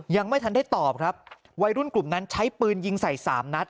ยังไม่ทันได้ตอบครับวัยรุ่นกลุ่มนั้นใช้ปืนยิงใส่สามนัด